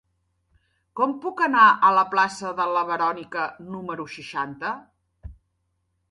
Com puc anar a la plaça de la Verònica número seixanta?